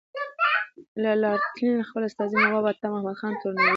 لارډ لیټن خپل استازی نواب عطامحمد خان تورنوي.